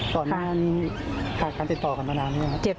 ตอนนั้นค่ะคุณติดต่อกันมานานไหมครับ